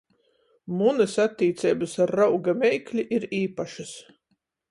Munys attīceibys ar rauga meikli ir īpašys.